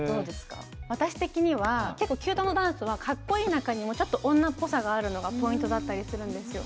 私的には、結構℃−ｕｔｅのダンスはかっこいい中にもちょっと女っぽさがあるのがポイントだったりするんですよ。